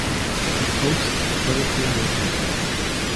It hosts the Philippine Racing Club.